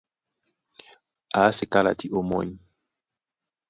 Á asɛ́ kálati ómɔ́ny.